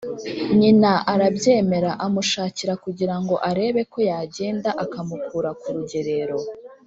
Nyina arabyemera amushakira kugirango arebeko yagenda akamukura ku rugerero